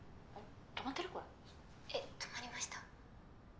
え止まりました？